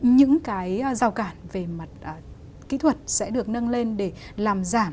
những cái rào cản về mặt kỹ thuật sẽ được nâng lên để làm giảm